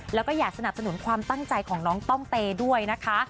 แล้วก็อยากสนับสนุนความตั้งใจของน้องต้องเตด้วยนะคะ